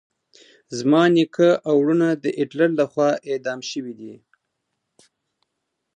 زما نیکه او ورونه د هټلر لخوا اعدام شويدي.